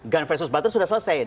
gun versus butter sudah selesai